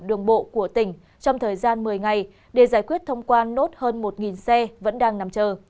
đường bộ của tỉnh trong thời gian một mươi ngày để giải quyết thông quan nốt hơn một xe vẫn đang nằm chờ